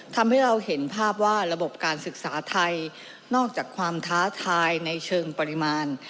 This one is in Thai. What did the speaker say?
ทำให้เราเห็นภาพว่าระบบการศึกษาไทยนอกจากความท้าทายในเชิงปริมาณ